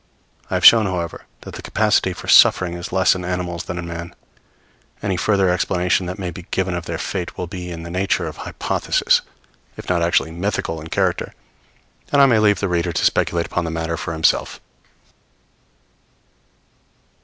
I have shown, however, that the capacity for suffering is less in animals than in man. Any further explanation that may be given of their fate will be in the nature of hypothesis, if not actually mythical in its character; and I may leave the reader to speculate upon the matter for himself. [Footnote 1: Cf.